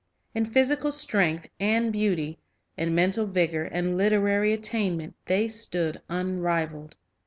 In physical strength and beauty, in mental vigor and literary attainment, they stood unrivaled.